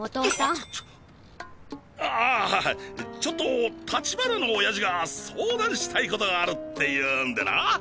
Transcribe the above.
あああハハちょっと立花の親父が相談したいことがあるって言うんでな。